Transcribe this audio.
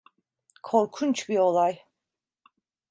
Korkunç bir olay.